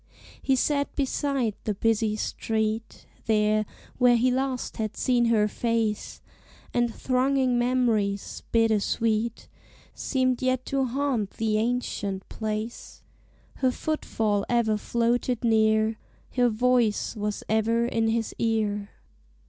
He sat beside the busy street, There, where he last had seen her face: And thronging memories, bitter sweet, Seemed yet to haunt the ancient place: Her footfall ever floated near: Her voice was ever in his ear.